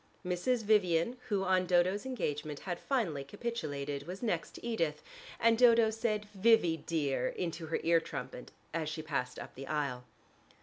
Mrs. Vivian, who on Dodo's engagement had finally capitulated, was next to Edith, and Dodo said "Vivy, dear!" into her ear trumpet, as she passed up the aisle.